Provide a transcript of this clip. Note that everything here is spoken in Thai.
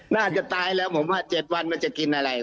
น่าจะตายแล้วผมว่า๗วันมันจะกินอะไร